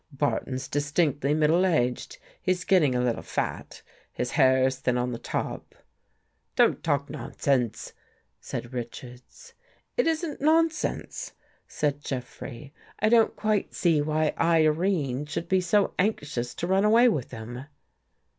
Barton's distinctly middle aged, he's getting a little fat, his hair's thin on the top. ..."" Don't talk nonsense," said Richards. " It isn't nonsense," said Jeffrey. " I don't quite see why Irene should be so anxious to run away with him."